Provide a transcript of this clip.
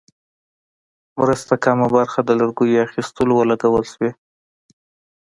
مرستو کمه برخه د لرګیو اخیستلو ولګول شوې.